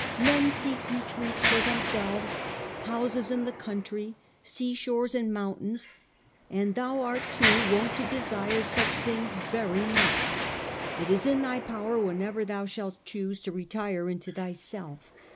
^ Men seek retreats for themselves, houses in the country, seashores and mountains ; and thou too art wont to desire such things /cry much. ... It is in thy power whenever thou shalt choose to retire into thyself.